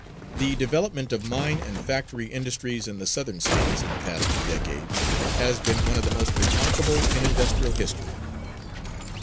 The development of mine and factory industries in the Southern States in the past two decades has been one of the most remarkable in industrial history.